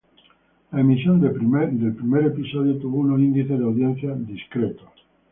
La emisión del primer episodio tuvo unos índices de audiencia discretos.